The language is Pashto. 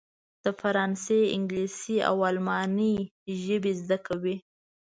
د فرانسې، انګلیسي او الماني ژبې زده کوي.